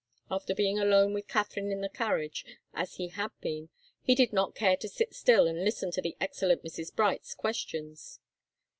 After being alone with Katharine in the carriage, as he had been, he did not care to sit still and listen to the excellent Mrs. Bright's questions.